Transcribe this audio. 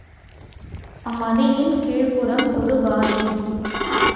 அம்மதிலின் கீழ்புறம் ஒரு வாயில்.